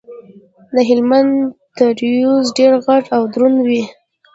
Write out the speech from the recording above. د هلمند تربوز ډیر غټ او دروند وي.